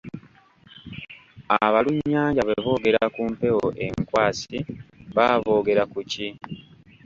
Abalunnyanja bwe boogera ku mpewo enkwasi baba boogera ku ki?